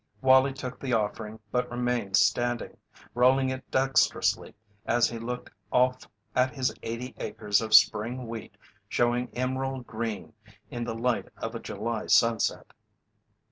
Wallie took the offering but remained standing, rolling it dextrously as he looked off at his eighty acres of spring wheat showing emerald green in the light of a July sunset.